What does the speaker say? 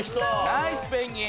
ナイスペンギン！